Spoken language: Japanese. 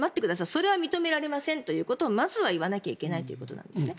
それは認められませんということをまずは言わなきゃいけないということなんですね。